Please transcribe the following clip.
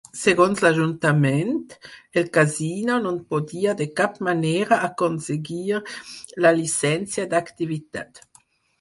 Segons l'ajuntament, el Casino no podia de cap manera aconseguir la llicència d'activitat.